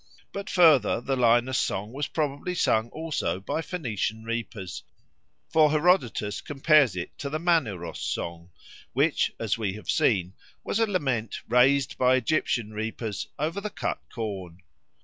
But, further, the Linus song was probably sung also by Phoenician reapers, for Herodotus compares it to the Maneros song, which, as we have seen, was a lament raised by Egyptian reapers over the cut corn.